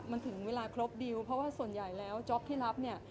มันถึงเวลาครบดิวเพราะว่าส่วนใหญ่แล้วจ๊อปที่รับเนี่ย